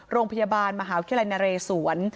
โรงพยาบาลมหาวิทยาลัยนเรศวร